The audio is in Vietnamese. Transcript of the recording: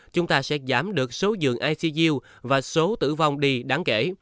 chúng ta sẽ giảm được số dường icg và số tử vong đi đáng kể